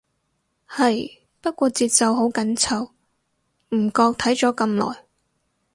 係，不過節奏好緊湊，唔覺睇咗咁耐